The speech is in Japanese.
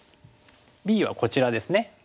Ｂはこちらですね。